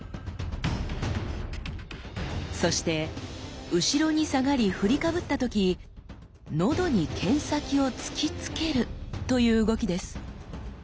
そして後ろに下がり振りかぶった時喉に剣先をつきつけるという動きです。